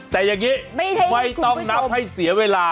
แต่อย่างนี้ไม่ต้องนับให้เสียเวลา